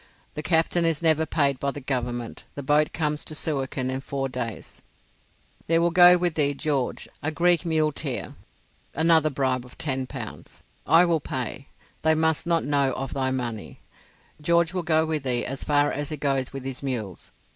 The captain is never paid by the Government. The boat comes to Suakin in four days. There will go with thee George, a Greek muleteer. Another bribe of ten pounds. I will pay; they must not know of thy money. George will go with thee as far as he goes with his mules.